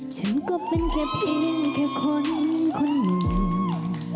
ฉันก็เป็นแค่เพียงแค่คนคนหนึ่ง